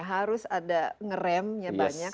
harus ada ngeremnya banyak